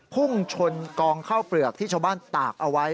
พุ่งชนกองข้าวเปลือกที่ชาวบ้านตากเอาไว้